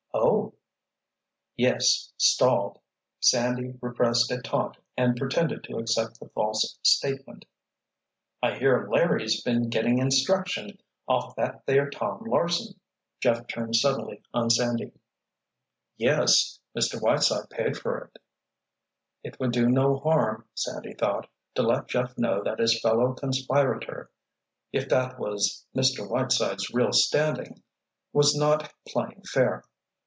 "Oh!" Yes—stalled! Sandy repressed a taunt and pretended to accept the false statement. "I hear Larry's been getting instruction off that there Tom Larsen," Jeff turned suddenly on Sandy. "Yes. Mr. Whiteside paid for it." It would do no harm, Sandy thought, to let Jeff know that his fellow conspirator, if that was Mr. Whiteside's real standing, was not playing fair.